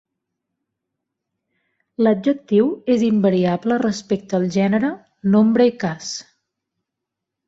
L'adjectiu és invariable respecte a gènere, nombre i cas.